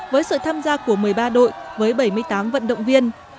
với sự tham gia của một mươi ba đội với bảy mươi tám vận động viên